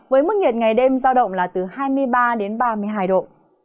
với mức nhiệt ngày đêm giao động là từ hai mươi ba đến ba mươi hai độ